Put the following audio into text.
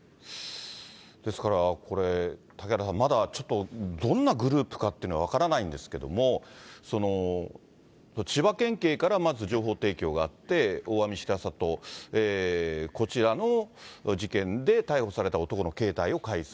ですからこれ、嵩原さん、まだちょっとどんなグループかっていうのは分からないんですけども、千葉県警からまず情報提供があって、大網白里、こちらの事件で逮捕された男の携帯を解析。